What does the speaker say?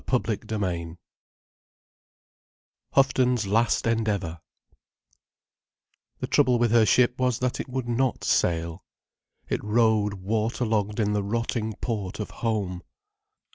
_ CHAPTER VI HOUGHTON'S LAST ENDEAVOUR The trouble with her ship was that it would not sail. It rode water logged in the rotting port of home.